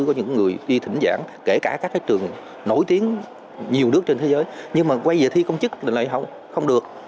có những lớp giảng kể cả các cái trường nổi tiếng nhiều nước trên thế giới nhưng mà quay về thi công chức thì lại không được